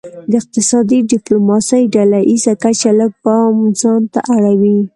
د اقتصادي ډیپلوماسي ډله ایزه کچه لږ پام ځانته اړوي